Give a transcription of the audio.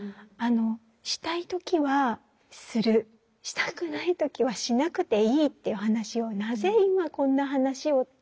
したい時はするしたくない時はしなくていいっていう話をなぜ今こんな話をって